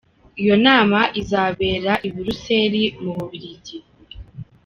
Iyo nama izabera I Buruseli mu Bubiligi